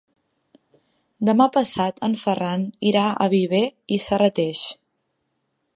Demà passat en Ferran irà a Viver i Serrateix.